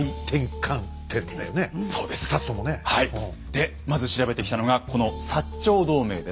でまず調べてきたのがこの長同盟です。